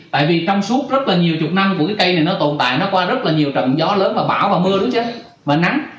tại vì trong suốt rất là nhiều chục năm của cái cây này nó tồn tại nó qua rất là nhiều trầm gió lớn và bão và mưa đúng chứ và nắng